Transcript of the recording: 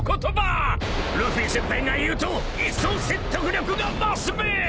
［ルフィ先輩が言うといっそう説得力が増すべ！］